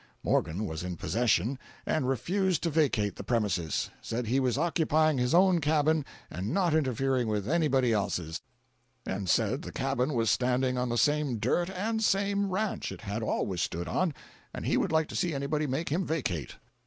Morgan was in possession and refused to vacate the premises—said he was occupying his own cabin and not interfering with anybody else's—and said the cabin was standing on the same dirt and same ranch it had always stood on, and he would like to see anybody make him vacate.